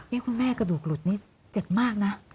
นี่คุณแม่กระดูกหลุดนี่เจ็บมากนะ